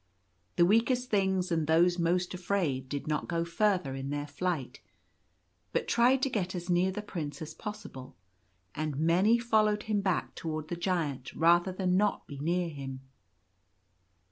The weakest things, and those most afraid, did not go further in their flight, but tried to get as near the Prince as possible; and many followed him back towards the Giant rather than not be near him.